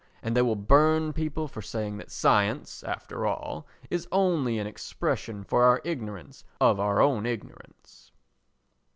and they will burn people for saying that science, after all, is only an expression for our ignorance of our own ignorance.